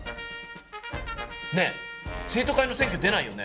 ねえ生徒会の選挙出ないよね？